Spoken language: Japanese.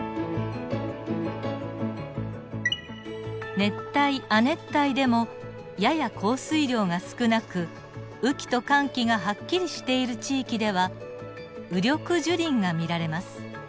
熱帯亜熱帯でもやや降水量が少なく雨季と乾季がはっきりしている地域では雨緑樹林が見られます。